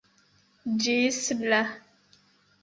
Ĝis la